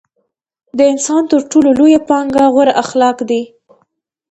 د انسان تر ټولو لويه پانګه غوره اخلاق دي.